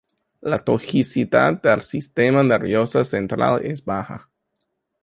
La toxicidad del sistema nervioso central es baja.